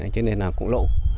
thế nên là cũng lộ